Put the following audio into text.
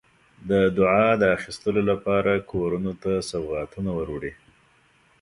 د دعا د اخیستلو لپاره کورونو ته سوغاتونه وروړي.